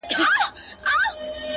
تا راته نه ويل د کار راته خبري کوه